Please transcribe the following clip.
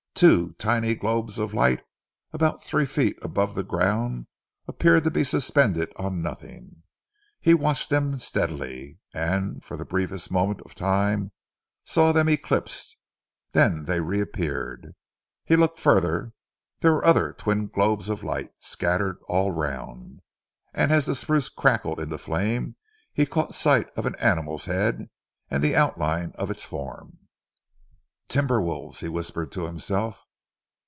Two tiny globes of light, about three feet above the ground, appeared to be suspended on nothing. He watched them steadily, and for the briefest moment of time, saw them eclipsed, then they reappeared. He looked further. There were other twin globes of light, scattered all round, and, as the spruce crackled into flame, he caught sight of an animal's head, and the outline of its form. "Timber wolves!" he whispered to himself.